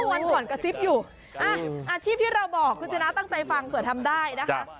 วันก่อนกระซิบอยู่อาชีพที่เราบอกคุณชนะตั้งใจฟังเผื่อทำได้นะคะ